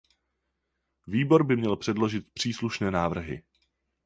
Výbor by měl předložit příslušné návrhy.